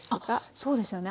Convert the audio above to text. そうですよね。